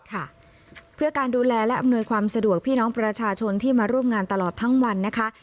เพื่อการดูแลและอำนวยความสะดวกพี่น้องประชาชนที่มาร่วมงานตลอดทั้งวันนะคะ